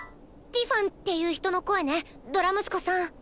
ティファンっていう人の声ねドラムスコさん。